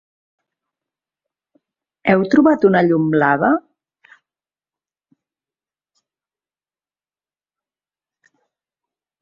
Heu trobat una llum blava?